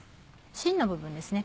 芯の部分ですね